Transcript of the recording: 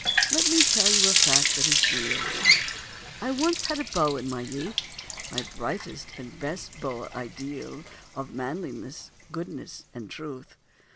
Let me tell you a fact that is real I once had a beau in my youth, My brightest and best "beau ideal" Of manliness, goodness, and truth.